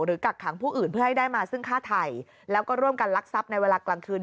กักขังผู้อื่นเพื่อให้ได้มาซึ่งฆ่าไทยแล้วก็ร่วมกันลักทรัพย์ในเวลากลางคืน